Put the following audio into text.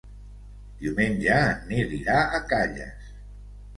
Diumenge en Nil irà a Calles.